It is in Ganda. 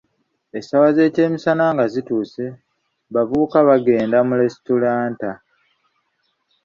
Essaawa ez'ekyemisana nga zituuse bavuga bagende mu lesitulanta.